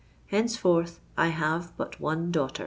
_Henceforth I have but one daughter!